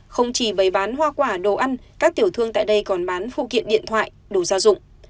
không chỉ bày bán hoa quả đồ ăn các tiểu thương tại đây còn bán phụ kiện điện thoại đồ gia dụng